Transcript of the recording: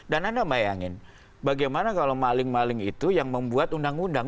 dan anda bayangin bagaimana kalau maling maling itu yang membuat undang undang